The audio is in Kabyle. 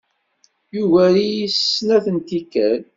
Yugar-iyi s snat tikkal.